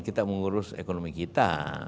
kita mengurus ekonomi kita